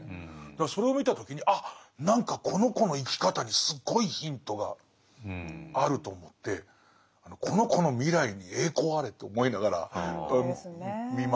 だからそれを見た時に「あ何かこの子の生き方にすごいヒントがある」と思ってこの子の未来に栄光あれと思いながら見守っちゃって。